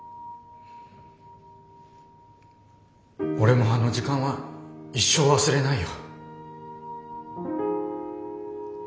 俺もあの時間は一生忘れないよ。